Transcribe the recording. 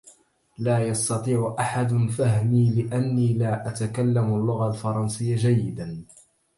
لا يستطيع أحد فهمي لأني لا أتكلم اللغة الفرنسية جيداً.